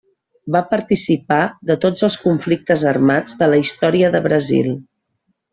Va participar de tots els conflictes armats de la Història de Brasil.